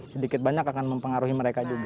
sedikit banyak akan mempengaruhi mereka juga